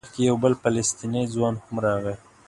په دې وخت کې یو بل فلسطینی ځوان هم راغی.